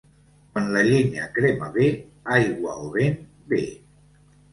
Quan la llenya crema bé aigua o vent ve.